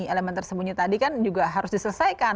elemen tersembunyi tadi kan juga harus diselesaikan